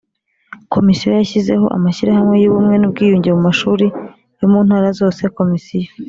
Komisiyo yashyizeho amashyirahamwe y ubumwe n ubwiyunge mu mashuri yo mu ntara zose Komisiyo